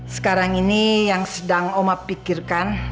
sekarang ini yang sedang oma pikirkan